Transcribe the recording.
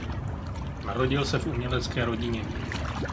Narodil se v umělecké rodině.